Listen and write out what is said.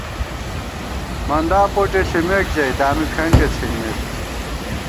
مَندا پوٹے ݪِمېک ژَئی، دامی کھنٹیہ څِھنِمېت